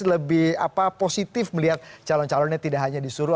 lebih positif melihat calon calonnya tidak hanya disuruh